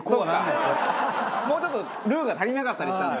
もうちょっとルーが足りなかったりしたんだ。